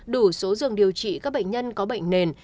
đủ số giường điều trị các bệnh nhân có bệnh nền